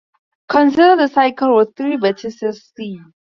Consider the cycle with three vertices, "C".